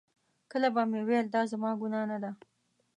کله به مې ویل دا زما ګناه نه ده.